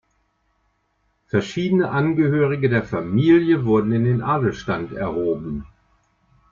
Verschiedene Angehörige der Familie wurden in den Adelsstand erhoben.